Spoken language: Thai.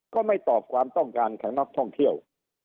ก็ไม่ตอบความต้องการของนักท่องเที่ยว